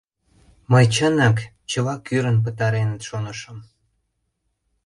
— Мый, чынак чыла кӱрын пытареныт, шонышым.